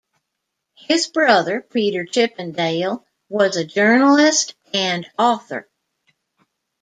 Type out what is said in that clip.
His brother Peter Chippindale was a journalist and author.